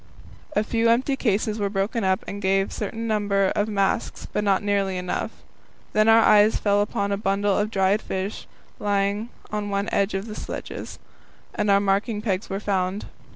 A few empty cases were broken up and gave a certain number of marks, but not nearly enough. Then our eyes fell upon a bundle of dried fish lying on one of the sledges, and our marking pegs were found.